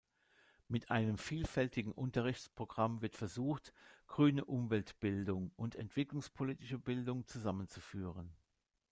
Mit einem vielfältigen Unterrichtsprogramm wird versucht, „Grüne Umweltbildung“ und entwicklungspolitische Bildung zusammenzuführen.